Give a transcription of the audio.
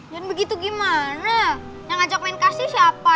dan begitu gimana yang ajak main kasih siapa